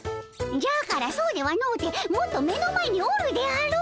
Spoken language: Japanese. じゃからそうではのうてもっと目の前におるであろう！